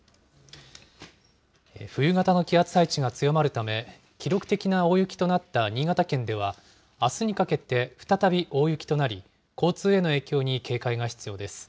冬型の気圧配置が強まるため、記録的な大雪となった新潟県では、あすにかけて再び大雪となり、交通への影響に警戒が必要です。